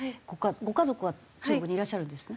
ご家族は中国にいらっしゃるんですね？